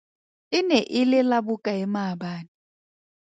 E ne e le la bokae maabane?